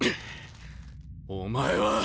お前は！